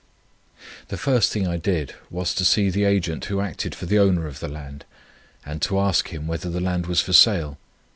The first thing I did was, to see the agent who acted for the owner of the land, and to ask him, whether the land was for sale.